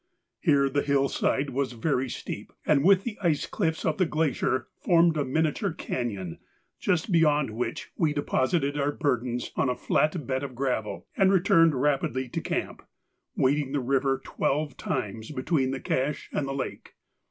Here the hill side was very steep and with the ice cliffs of the glacier formed a miniature cañon just beyond which we deposited our burdens on a flat bed of gravel and returned rapidly to camp, wading the river twelve times between the cache and the lake.